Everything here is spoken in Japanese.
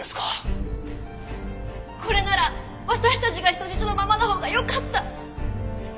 これなら私たちが人質のままのほうがよかった。